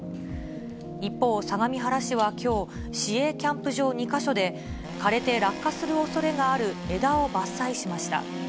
一方、相模原市はきょう、市営キャンプ場２か所で、枯れて落下するおそれがある枝を伐採しました。